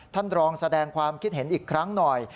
ท่านรองแสดงความคิดเห็นอีกครั้งหน่อย